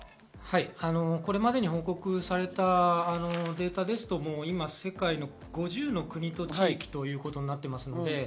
これまでに報告されたデータですと、今、世界の５０の国と地域ということです。